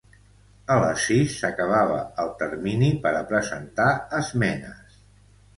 A les sis s’acabava el termini per a presentar esmenes.